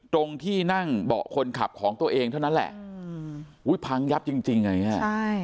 ตรงที่นั่งเบาะคนขับของตัวเองเท่านั้นแหละอุ้ยพังยับจริงจริงอย่างเงี้ยใช่